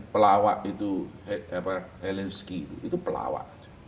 pelawak itu zelensky itu pelawak